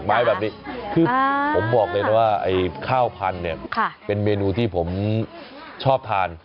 ไม้แบบนี้คือผมบอกเลยนะว่าไอ้ข้าวพันธุ์เนี่ยเป็นเมนูที่ผมชอบทาน